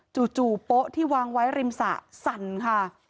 จู่โป๊ะที่วางไว้ริมสระสั่นค่ะ